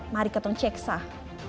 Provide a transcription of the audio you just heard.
mari kita cek sah